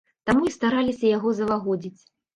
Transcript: Таму і стараліся яго залагодзіць.